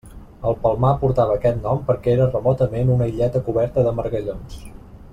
El Palmar portava aquest nom perquè era remotament una illeta coberta de margallons.